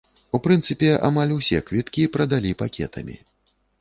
У прынцыпе, амаль усе квіткі прадалі пакетамі.